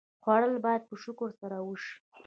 خوړل باید په شکر سره وشي